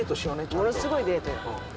ものすごいデートを。